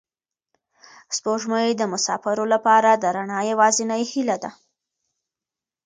سپوږمۍ د مساپرو لپاره د رڼا یوازینۍ هیله ده.